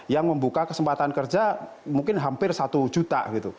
yang membuka kesempatan kerja mungkin hampir satu juta gitu